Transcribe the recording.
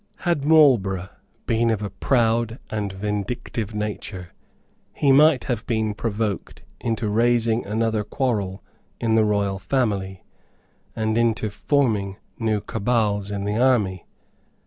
Had Marlborough been of a proud and vindictive nature he might have been provoked into raising another quarrel in the royal family, and into forming new cabals in the army.